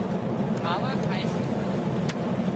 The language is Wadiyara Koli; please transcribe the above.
کاوا کائي سي